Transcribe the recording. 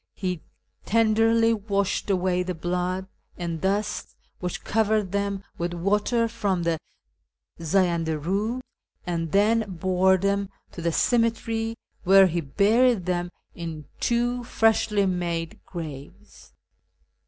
He tenderly washed away the blood and dust which covered them wdth water from the Zayanda Eud, and then bore them to the ceme tery, where he buried them in two freshly made graves.